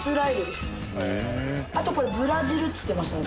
あとこれブラジルっつってましたね。